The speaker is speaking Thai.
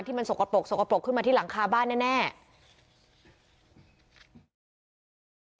มันสกปรกสกปรกขึ้นมาที่หลังคาบ้านแน่